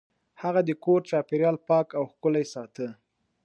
هغه د کور چاپیریال پاک او ښکلی ساته.